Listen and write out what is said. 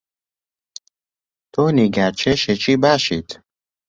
تۆ نیگارکێشێکی باشیت.